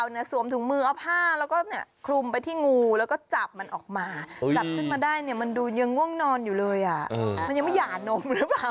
หนูที่ไหนมันกินนม